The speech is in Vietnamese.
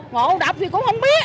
ngộ đọc thì cũng không biết